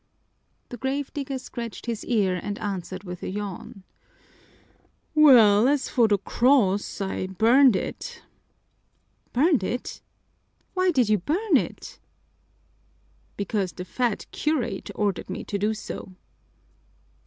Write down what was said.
The grave digger scratched his ear and answered with a yawn: "Well, as for the cross, I burned it." "Burned it? Why did you burn it?" "Because the fat curate ordered me to do so."